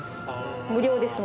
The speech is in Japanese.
無料です